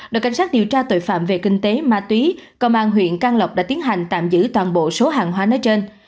đội cảnh sát điều tra tội phạm về kinh tế ma túy công an huyện can lộc đã tiến hành tạm giữ toàn bộ số hàng hóa nơi trên